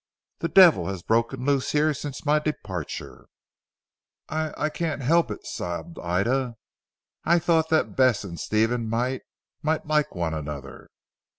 The devil has broken loose here since my departure." "I I can't help it," sobbed Ida, "I thought that Bess and Stephen might might like one another."